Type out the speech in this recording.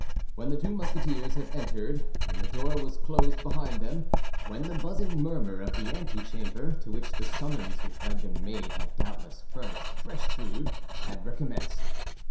When the two Musketeers had entered; when the door was closed behind them; when the buzzing murmur of the antechamber, to which the summons which had been made had doubtless furnished fresh food, had recommenced; when M.